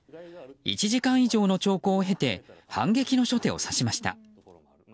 １時間以上の長考を経て反撃の初手をさしました。